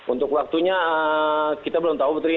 untuk waktunya kita belum tahu putri